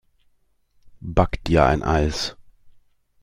Back dir ein Eis!